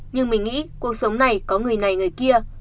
nhưng mình nghĩ cuộc sống này có người này người kia